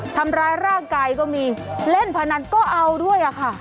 ทำร้ายร่างกายก็มีเล่นพนันก็เอาด้วยค่ะ